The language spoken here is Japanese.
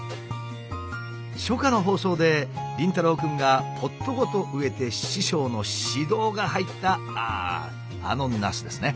初夏の放送で凛太郎くんがポットごと植えて師匠の指導が入ったあああのナスですね。